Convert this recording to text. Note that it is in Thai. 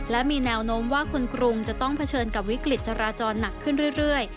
และมีแนวโน้มว่าคนกรุงจะต้องเผชิญกับวิกฤตจราจรหนักขึ้นเรื่อย